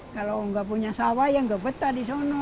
kalau nggak punya sawah ya nggak betah di sana